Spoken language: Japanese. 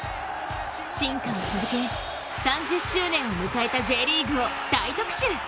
進化を続け、３０周年を迎えたＪリーグを大特集！